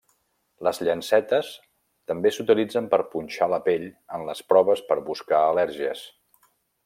Les llancetes també s'utilitzen per punxar la pell en les proves per buscar al·lèrgies.